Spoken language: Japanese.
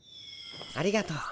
ありがとう。